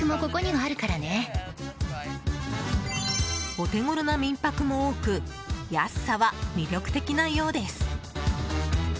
お手ごろな民泊も多く安さは魅力的なようです。